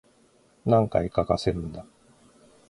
何回かかせるんだ